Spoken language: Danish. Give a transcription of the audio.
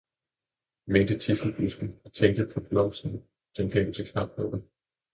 mente tidselbusken og tænkte på blomsten, den gav til knaphullet.